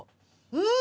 うん！